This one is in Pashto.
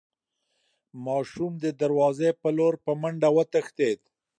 ماشوم د دروازې په لور په منډه وتښتېد.